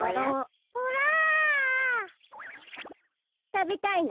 たべたいの？